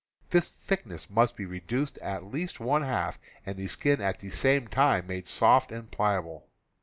This thickness must be reduced at least one half and the skin at the same time made soft and pliable.